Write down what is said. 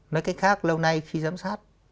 nói cách khác lâu nay khi giám sát